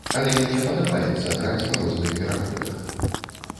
Але мне падабаецца граць па розных пераходах.